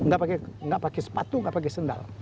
gak pakai sepatu gak pakai sendal